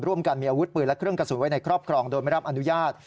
การมีอาวุธปืนและเครื่องกระสุนไว้ในครอบครองโดยไม่รับอนุญาต